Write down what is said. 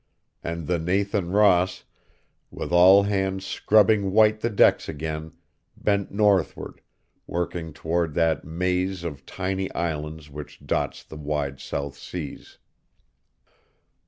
And the Nathan Ross, with all hands scrubbing white the decks again, bent northward, working toward that maze of tiny islands which dots the wide South Seas.